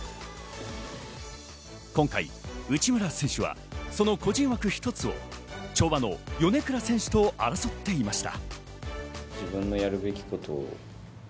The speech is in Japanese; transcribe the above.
今回、内村選手は、その個人枠１つを跳馬の米倉選手と争っていました。